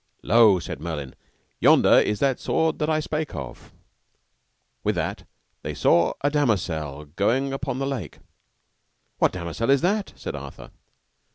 Lo! said Merlin, yonder is that sword that I spake of. With that they saw a damosel going upon the lake. What damosel is that? said Arthur.